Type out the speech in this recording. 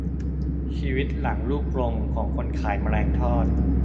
ชีวิตหลังลูกกรงของคนขายแมลงทอด